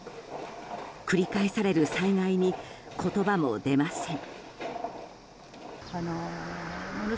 繰り返される災害に言葉も出ません。